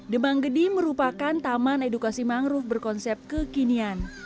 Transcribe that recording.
demanggedi merupakan taman edukasi mangrove berkonsep kekinian